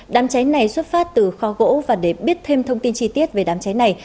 đám cháy này xuất phát từ kho gỗ và để biết thêm thông tin chi tiết về đám cháy này